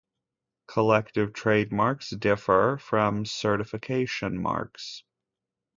Collective trademarks differ from certification marks.